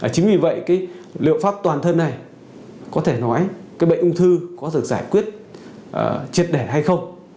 chính vì vậy cái liệu pháp toàn thân này có thể nói cái bệnh ung thư có được giải quyết triệt đẻn hay không